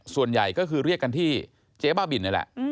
ส่วนใหญ่ก็คือเรียกกันที่เจ๊บ้าบินนี่แหละ